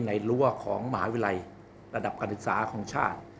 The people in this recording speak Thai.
รั้วของมหาวิทยาลัยระดับการศึกษาของชาติ